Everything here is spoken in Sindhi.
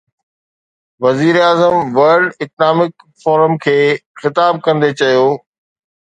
وزيراعظم ورلڊ اڪنامڪ فورم کي خطاب ڪندي چيو.